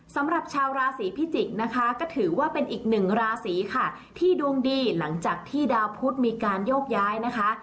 สำหรับชาวราศีพิจิกษ์นะคะก็ถือว่าเป็นอีกหนึ่งราศีค่ะที่ดวงดีหลังจากที่ดาวพุทธมีการโยกย้ายนะคะ